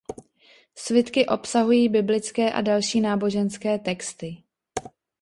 Svitky obsahují biblické a další náboženské texty.